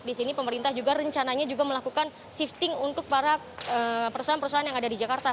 di sini pemerintah juga rencananya juga melakukan shifting untuk para perusahaan perusahaan yang ada di jakarta